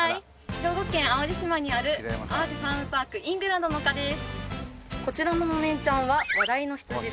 兵庫県淡路島にある淡路ファームパークイングランドの丘です